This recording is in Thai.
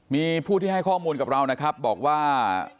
มีผู้ที่ให้ข้อมูลกับเรานะครับบอกว่า